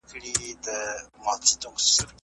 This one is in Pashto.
ما مي په تحفه کي وزرونه درته ایښي دي